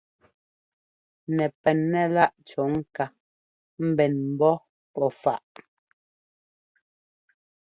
Nɛpɛn nɛ láꞌ cɔ̌ ŋká pɛn ḿbɔ́ pɔ́ faꞌ.